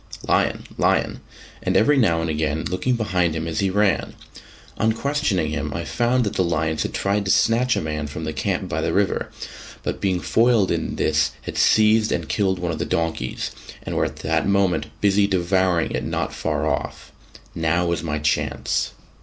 ("Lion! Lion!"), and every now and again looking behind him as he ran. On questioning him I found that the lions had tried to snatch a man from the camp by the river, but being foiled in this had seized and killed one of the donkeys, and were at that moment busy devouring it not far off. Now was my chance.